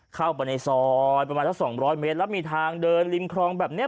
เข้าไปในซอยประมาณสัก๒๐๐เมตรแล้วมีทางเดินริมครองแบบนี้